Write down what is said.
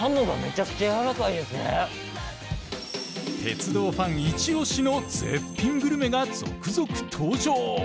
鉄道ファンいちオシの絶品グルメが続々登場。